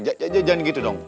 jangan gitu dong